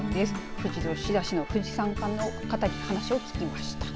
富士吉田市の富士山課の方に話を聞きました。